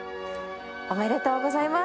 おめでとうございます。